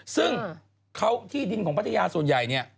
ซึ่งเขาที่ดินของพัทยาส่วนใหญ่เนี่ย